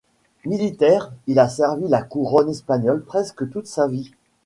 Militaire, il a servi la Couronne espagnole presque toute sa vie.